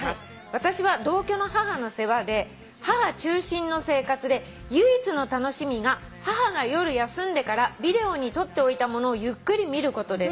「私は同居の母の世話で母中心の生活で唯一の楽しみが母が夜休んでからビデオにとっておいたものをゆっくり見ることです」